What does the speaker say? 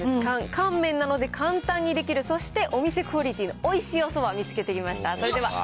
乾麺なので簡単にできる、そしてお店クオリティーのおいしいおそばを見つけてきました。